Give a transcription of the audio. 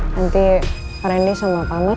nanti rendy sama pak amar